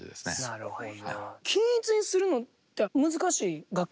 なるほど。